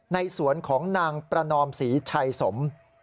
ในสวนของนางประนอมศรีชัยสม